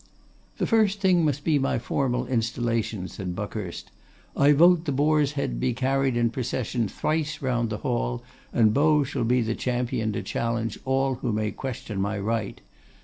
'The first thing must be my formal installation,' said Buckhurst. 'I vote the Boar's head be carried in procession thrice round the hall, and Beau shall be the champion to challenge all who may question my right.